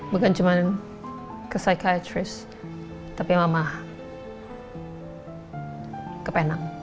bukan cuma ke psikiater tapi mama ke penang